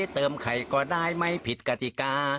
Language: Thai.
เติมไข่ก็ได้ไม่ผิดกติกา